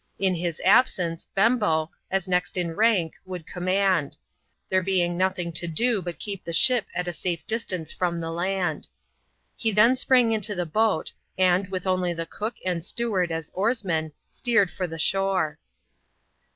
In his absence, Bembo, as next in rank, would command ; there being nothing to do but keep the ship at a safe distance from the land. He then sprang into the boat, and, with only the cook and steward as oarsmeUj steered for the shore.